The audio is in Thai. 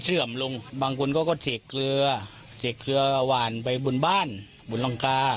เฌียงกับแก้งเฬียลบเบ้นออกด้วยกับลงกา